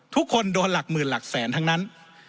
ทุกคนโดนหลักหมื่นหลักแสนทั้งนั้น